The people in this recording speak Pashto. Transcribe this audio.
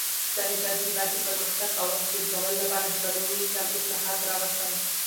ظاهرشاه د هېواد د پرمختګ او عصري کولو لپاره د قانوني نظام اصلاحات راوستل.